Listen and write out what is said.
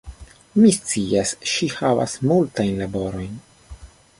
Mi scias, ŝi havas multajn laborojn